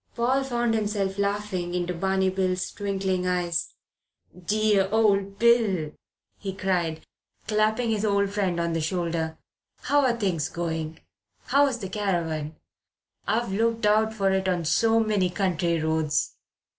Paul found himself laughing into Barney Bill's twinkling eyes. "Dear old Bill," he cried, clapping his old friend on the shoulder. "How are things going? How's the caravan? I've looked out for it on so many country roads."